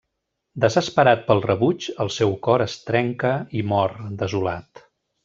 Desesperat pel rebuig, el seu cor es trenca i mor, desolat.